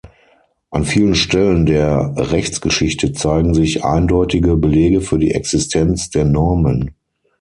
An vielen Stellen der Rechtsgeschichte zeigen sich eindeutige Belege für die Existenz der Normen.